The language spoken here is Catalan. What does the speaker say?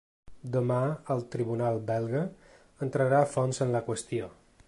Demà el tribunal belga entrarà a fons en la qüestió.